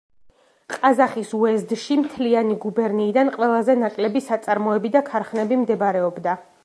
ყაზახის უეზდში მთლიანი გუბერნიიდან ყველაზე ნაკლები საწარმოები და ქარხნები მდებარეობდა.